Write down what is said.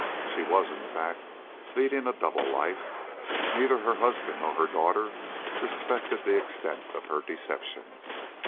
She was, in fact, leading a double life, and neither her husband nor her daughter suspected the extent of her deception.